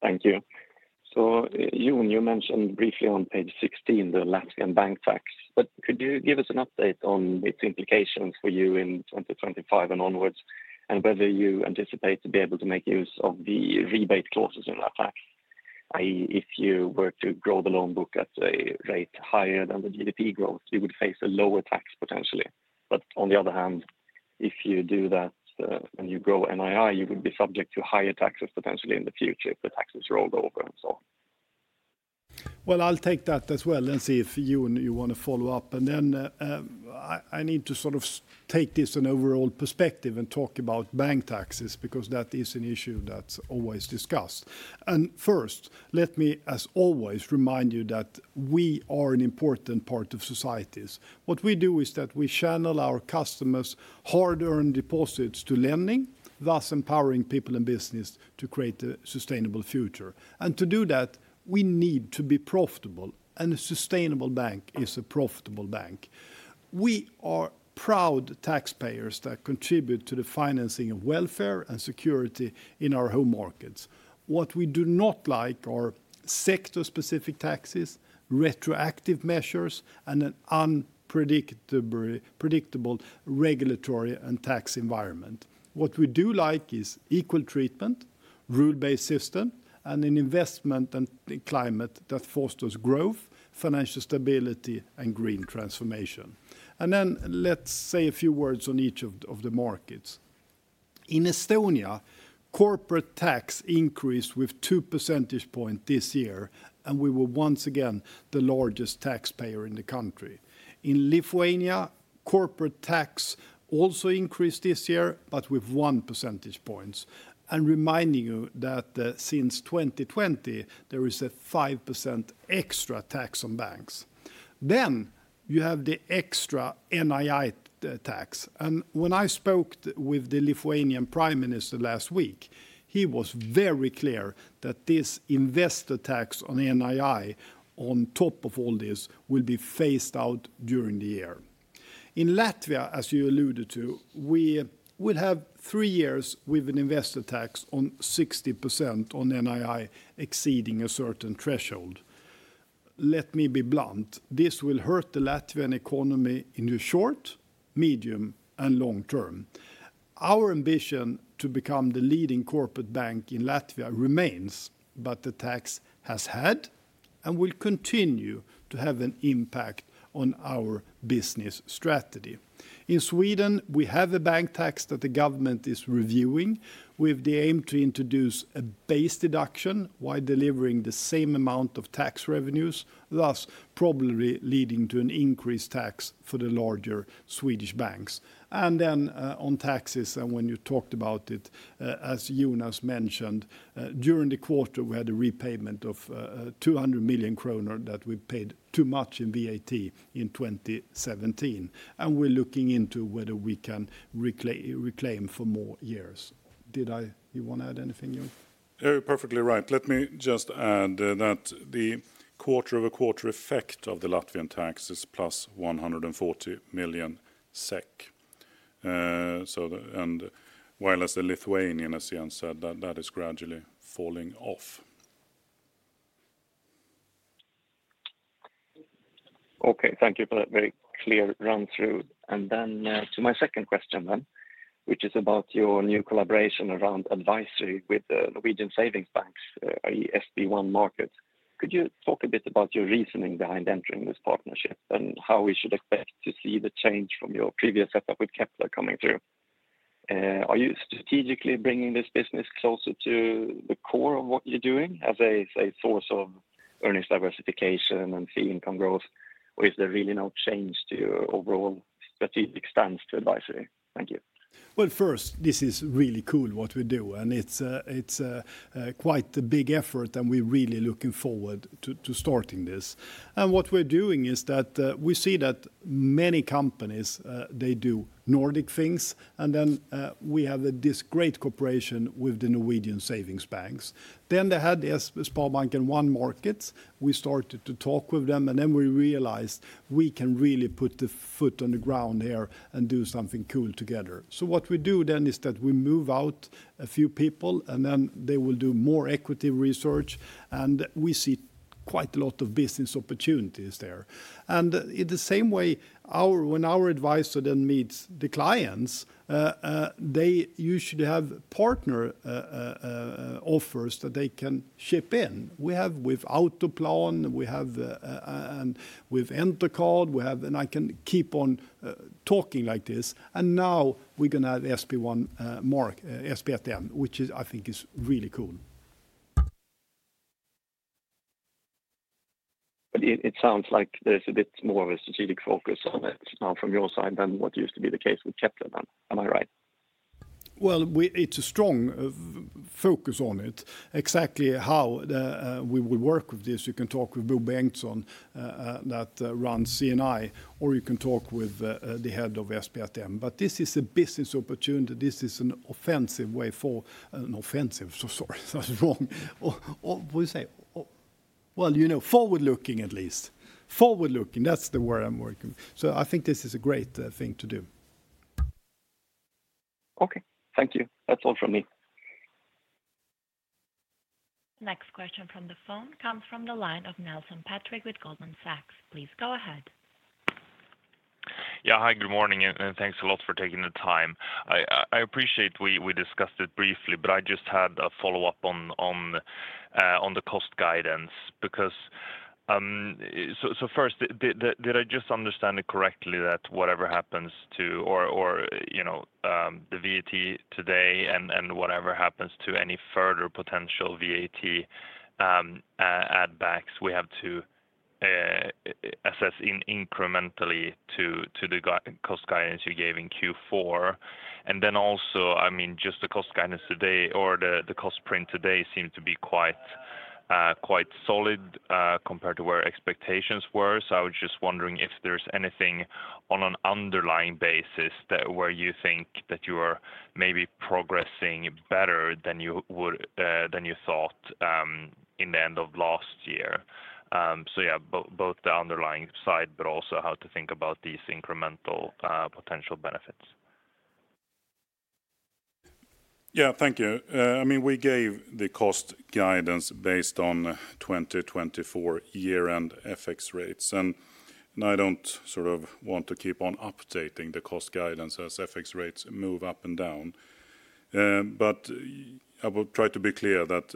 [SPEAKER 13] Thank you. Jon, you mentioned briefly on page 16 the Latvian bank tax, but could you give us an update on its implications for you in 2025 and onwards, and whether you anticipate to be able to make use of the rebate clauses in that tax? If you were to grow the loan book at a rate higher than the GDP growth, you would face a lower tax potentially. On the other hand, if you do that and you grow NII, you would be subject to higher taxes potentially in the future if the taxes rolled over and so on.
[SPEAKER 2] I'll take that as well and see if Jon, you want to follow up. I need to sort of take this in an overall perspective and talk about bank taxes because that is an issue that's always discussed. First, let me, as always, remind you that we are an important part of societies. What we do is that we channel our customers' hard-earned deposits to lending, thus empowering people and businesses to create a sustainable future. To do that, we need to be profitable, and a sustainable bank is a profitable bank. We are proud taxpayers that contribute to the financing of welfare and security in our home markets. What we do not like are sector-specific taxes, retroactive measures, and an unpredictable regulatory and tax environment. What we do like is equal treatment, rule-based system, and an investment and climate that fosters growth, financial stability, and green transformation. Let me say a few words on each of the markets. In Estonia, corporate tax increased with 2 percentage points this year, and we were once again the largest taxpayer in the country. In Lithuania, corporate tax also increased this year, but with 1 percentage point. Reminding you that since 2020, there is a 5% extra tax on banks. You have the extra NII tax. When I spoke with the Lithuanian Prime Minister last week, he was very clear that this investor tax on NII on top of all this will be phased out during the year. In Latvia, as you alluded to, we will have three years with an investor tax on 60% on NII exceeding a certain threshold. Let me be blunt. This will hurt the Latvian economy in the short, medium, and long term. Our ambition to become the leading corporate bank in Latvia remains, but the tax has had and will continue to have an impact on our business strategy. In Sweden, we have a bank tax that the government is reviewing with the aim to introduce a base deduction while delivering the same amount of tax revenues, thus probably leading to an increased tax for the larger Swedish banks. On taxes, and when you talked about it, as Jonas mentioned, during the quarter, we had a repayment of 200 million kronor that we paid too much in VAT in 2017. We are looking into whether we can reclaim for more years. Did I? You want to add anything, Jon?
[SPEAKER 3] You're perfectly right. Let me just add that the quarter-over-quarter effect of the Latvian tax is plus 140 million SEK. While as the Lithuanian, as Jan said, that is gradually falling off.
[SPEAKER 13] Okay, thank you for that very clear run-through. To my second question, which is about your new collaboration around advisory with the Norwegian savings banks, i.e., SB1 Markets. Could you talk a bit about your reasoning behind entering this partnership and how we should expect to see the change from your previous setup with Kepler coming through? Are you strategically bringing this business closer to the core of what you're doing as a source of earnings diversification and fee income growth, or is there really no change to your overall strategic stance to advisory? Thank you.
[SPEAKER 2] This is really cool what we do, and it's quite a big effort, and we're really looking forward to starting this. What we're doing is that we see that many companies, they do Nordic things, and then we have this great cooperation with the Norwegian savings banks. They had the SB1Markets. We started to talk with them, and then we realized we can really put the foot on the ground here and do something cool together. What we do then is that we move out a few people, and then they will do more equity research, and we see quite a lot of business opportunities there. In the same way, when our advisor then meets the clients, they usually have partner offers that they can ship in. We have with Autoplan, we have with Entercard, we have, I can keep on talking like this. Now we're going to have SB1, SB1M, which I think is really cool.
[SPEAKER 13] It sounds like there's a bit more of a strategic focus on it from your side than what used to be the case with Kepler then. Am I right?
[SPEAKER 2] It is a strong focus on it. Exactly how we will work with this, you can talk with Bo Bengtsson that runs C&I, or you can talk with the head of SB1M. This is a business opportunity. This is a forward-looking way, at least. Forward-looking, that is the word I am working with. I think this is a great thing to do.
[SPEAKER 13] Okay, thank you. That's all from me.
[SPEAKER 4] The next question from the phone comes from the line of Patrik Nilsson with Goldman Sachs. Please go ahead.
[SPEAKER 14] Yeah, hi, good morning, and thanks a lot for taking the time. I appreciate we discussed it briefly, but I just had a follow-up on the cost guidance because, first, did I just understand it correctly that whatever happens to, or the VAT today and whatever happens to any further potential VAT add-backs, we have to assess incrementally to the cost guidance you gave in Q4? Also, I mean, just the cost guidance today or the cost print today seemed to be quite solid compared to where expectations were. I was just wondering if there's anything on an underlying basis where you think that you are maybe progressing better than you thought in the end of last year. Yeah, both the underlying side, but also how to think about these incremental potential benefits.
[SPEAKER 3] Yeah, thank you. I mean, we gave the cost guidance based on 2024 year-end FX rates, and I do not sort of want to keep on updating the cost guidance as FX rates move up and down. I will try to be clear that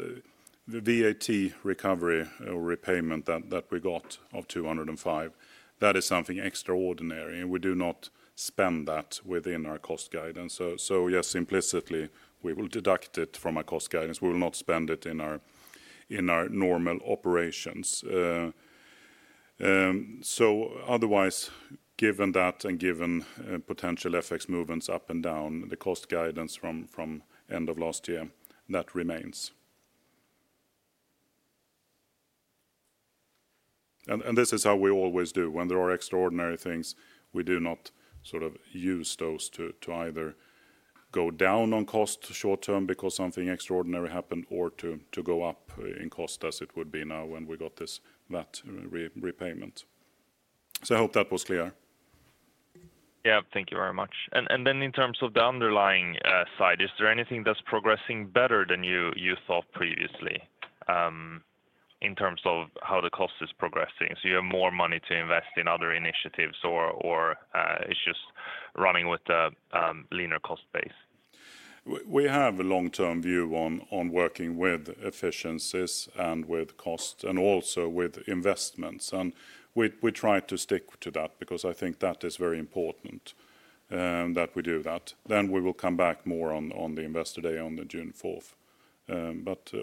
[SPEAKER 3] the VAT recovery or repayment that we got of 205 million, that is something extraordinary, and we do not spend that within our cost guidance. Yes, implicitly, we will deduct it from our cost guidance. We will not spend it in our normal operations. Otherwise, given that and given potential FX movements up and down, the cost guidance from end of last year, that remains. This is how we always do. When there are extraordinary things, we do not sort of use those to either go down on cost short term because something extraordinary happened or to go up in cost as it would be now when we got that repayment. I hope that was clear.
[SPEAKER 14] Thank you very much. In terms of the underlying side, is there anything that's progressing better than you thought previously in terms of how the cost is progressing? Do you have more money to invest in other initiatives or is it just running with the leaner cost base?
[SPEAKER 3] We have a long-term view on working with efficiencies and with cost and also with investments. We try to stick to that because I think that is very important that we do that. We will come back more on the Investor Day on June 4th.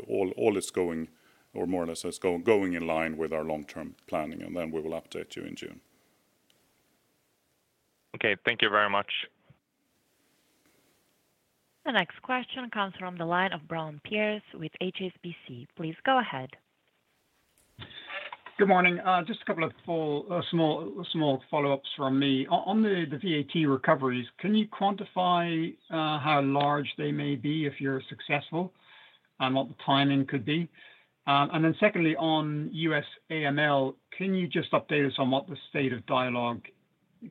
[SPEAKER 3] All is going, or more or less is going in line with our long-term planning, and we will update you in June.
[SPEAKER 14] Okay, thank you very much.
[SPEAKER 4] The next question comes from the line of Piers Brown with HSBC. Please go ahead.
[SPEAKER 15] Good morning. Just a couple of small follow-ups from me. On the VAT recoveries, can you quantify how large they may be if you're successful and what the timing could be? Secondly, on U.S. AML, can you just update us on what the state of dialogue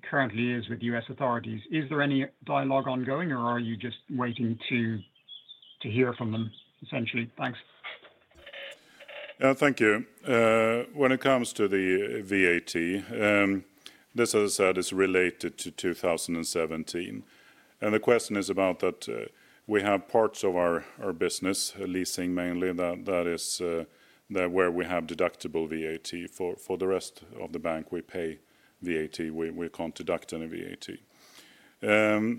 [SPEAKER 15] currently is with U.S. authorities? Is there any dialogue ongoing, or are you just waiting to hear from them, essentially? Thanks.
[SPEAKER 3] Yeah, thank you. When it comes to the VAT, this, as I said, is related to 2017. The question is about that we have parts of our business, leasing mainly, that is where we have deductible VAT. For the rest of the bank, we pay VAT. We can't deduct any VAT.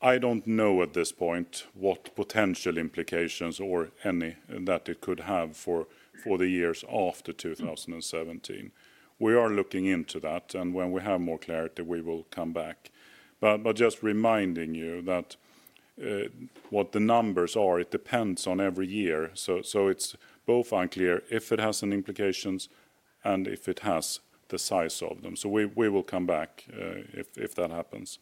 [SPEAKER 3] I don't know at this point what potential implications or any that it could have for the years after 2017. We are looking into that, and when we have more clarity, we will come back. Just reminding you that what the numbers are, it depends on every year. It is both unclear if it has implications and if it has the size of them. We will come back if that happens.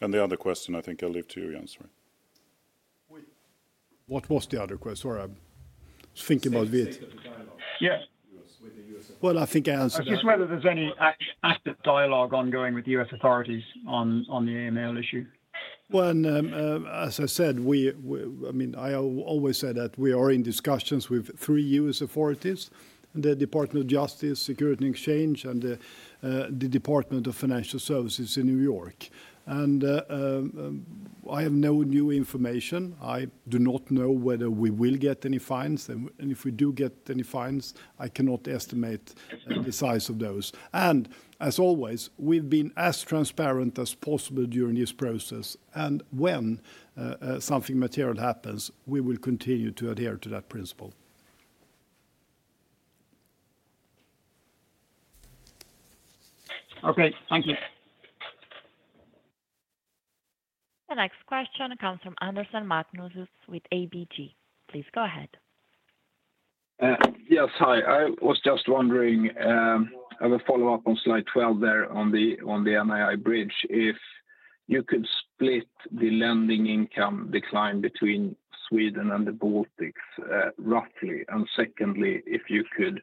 [SPEAKER 3] The other question, I think I'll leave to you, Jens.
[SPEAKER 2] What was the other question? Sorry, I was thinking about it. I think I answered that.
[SPEAKER 15] I just wonder if there's any active dialogue ongoing with U.S. authorities on the AML issue.
[SPEAKER 2] As I said, I mean, I always say that we are in discussions with three U.S. authorities, the Department of Justice, the Securities and Exchange Commission, and the Department of Financial Services in New York. I have no new information. I do not know whether we will get any fines. If we do get any fines, I cannot estimate the size of those. As always, we've been as transparent as possible during this process. When something material happens, we will continue to adhere to that principle.
[SPEAKER 15] Okay, thank you.
[SPEAKER 4] The next question comes from Magnus Andersson with ABG. Please go ahead.
[SPEAKER 16] Yes, hi. I was just wondering, I have a follow-up on slide 12 there on the NII bridge. If you could split the lending income decline between Sweden and the Baltics, roughly. Secondly, if you could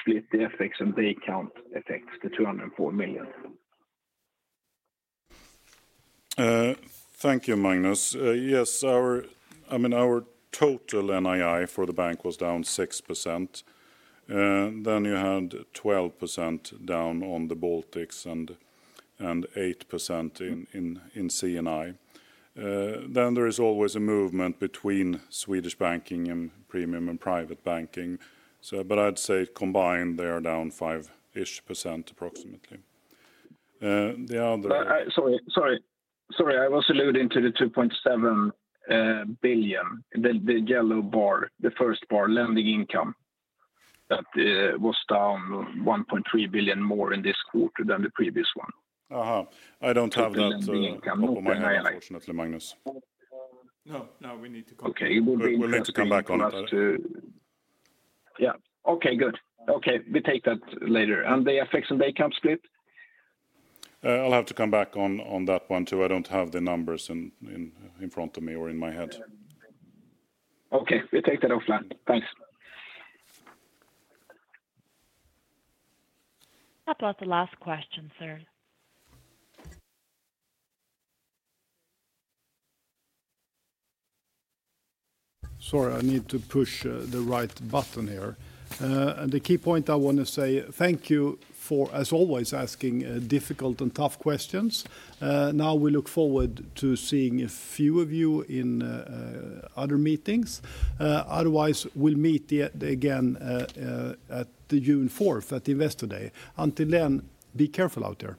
[SPEAKER 16] split the FX and day count FX to 204 million.
[SPEAKER 3] Thank you, Magnus. Yes, I mean, our total NII for the bank was down 6%. You had 12% down on the Baltics and 8% in C&I. There is always a movement between Swedish Banking and Premium and Private Banking. I'd say combined, they are down 5%-ish, approximately. The other.
[SPEAKER 16] Sorry, sorry. I was alluding to the 2.7 billion, the yellow bar, the first bar, lending income that was down 1.3 billion more in this quarter than the previous one.
[SPEAKER 3] I don't have that off the top of my head, unfortunately, Magnus. No, no, we need to come back on
[SPEAKER 16] that. Yeah. Okay, good. Okay, we take that later. The FX and day count split?
[SPEAKER 3] I'll have to come back on that one too. I don't have the numbers in front of me or in my head.
[SPEAKER 1] Okay, we take that offline. Thanks.
[SPEAKER 4] That was the last question, sir.
[SPEAKER 2] Sorry, I need to push the right button here. The key point I want to say, thank you for, as always, asking difficult and tough questions. Now we look forward to seeing a few of you in other meetings. Otherwise, we'll meet again at June 4th at Investor Day. Until then, be careful out there.